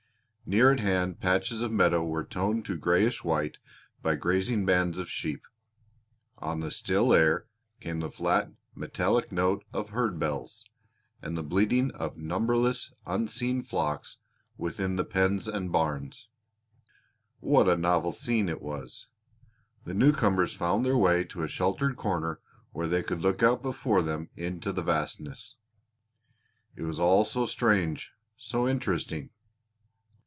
Near at hand patches of meadow were toned to grayish white by grazing bands of sheep. On the still air came the flat, metallic note of herd bells, and the bleating of numberless unseen flocks within the pens and barns. What a novel scene it was! The newcomers found their way to a sheltered corner where they could look out before them into the vastness. It was all so strange, so interesting!